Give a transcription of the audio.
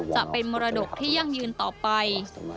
จะเป็นมรดกที่ยั่งยืนต่อไป